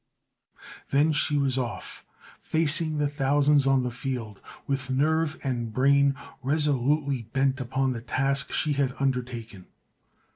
Then she was off, facing the thousands on the field, with nerve and brain resolutely bent upon the task she had undertaken.